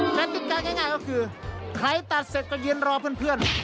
การที่การง่ายง่ายก็คือใครตัดเสร็จก็เย็นรอเพื่อนเพื่อน